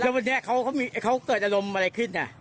อ๋อแต่วันเนี้ยเขาเขามีเขาเติดอารมณ์อะไรขึ้นอ่ะ